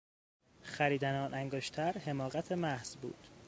خریدن آن انگشتر حماقت محض بود.